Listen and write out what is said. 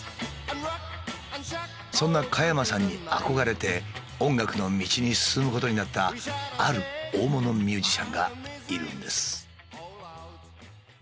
そんな加山さんに憧れて音楽の道に進むことになったある大物ミュージシャンがいるんです。